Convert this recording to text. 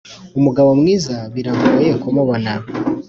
umugabo mwiza biragoye kumubona